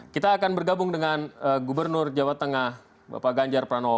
kita akan bergabung dengan gubernur jawa tengah bapak ganjar pranowo